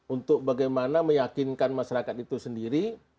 untuk bagaimana meyakinkan masyarakat itu sendiri